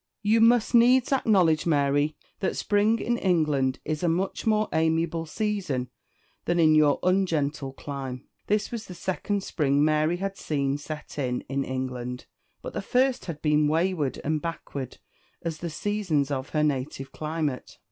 You must needs acknowledge, Mary, that spring in England is a much more amiable season than in your ungentle clime." This was the second spring Mary had seen set in, in England. But the first had been wayward and backward as the seasons of her native climate.